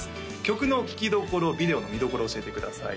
曲の聴きどころビデオの見どころを教えてください